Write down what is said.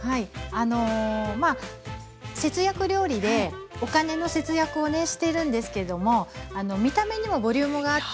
あのまあ節約料理でお金の節約をねしてるんですけども見た目にもボリュームがあってね